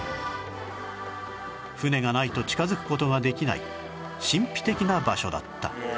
船がないと近づく事ができない神秘的な場所だった